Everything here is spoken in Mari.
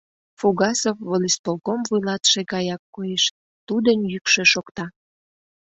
Фугасов волисполком вуйлатыше гаяк коеш, тудын йӱкшӧ шокта: